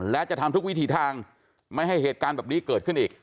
และจะทำทุกวิถีทางไม่ให้เหตุการณ์แบบนี้เกิดขึ้นอีก